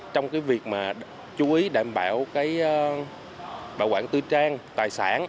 trong việc chú ý đảm bảo